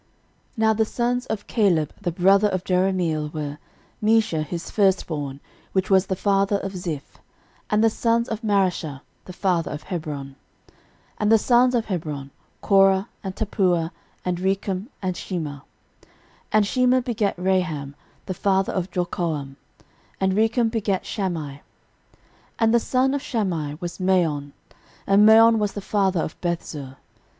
13:002:042 Now the sons of Caleb the brother of Jerahmeel were, Mesha his firstborn, which was the father of Ziph; and the sons of Mareshah the father of Hebron. 13:002:043 And the sons of Hebron; Korah, and Tappuah, and Rekem, and Shema. 13:002:044 And Shema begat Raham, the father of Jorkoam: and Rekem begat Shammai. 13:002:045 And the son of Shammai was Maon: and Maon was the father of Bethzur.